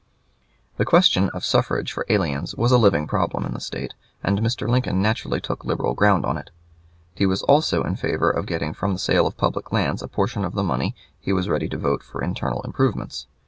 The question of suffrage for aliens was a living problem in the State, and Mr. Lincoln naturally took liberal ground on it; and he was also in favor of getting from the sale of public lands a portion of the money he was ready to vote for internal improvements.